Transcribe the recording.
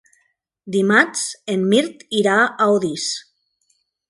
Dimarts en Mirt irà a Orís.